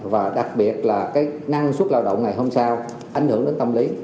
và đặc biệt là năng suất lao động ngày hôm sau ảnh hưởng đến tâm lý